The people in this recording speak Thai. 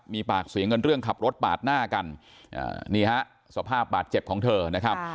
มีปากเสียงกันเรื่องขับรถปาดหน้ากันนี่ฮะสภาพบาดเจ็บของเธอนะครับ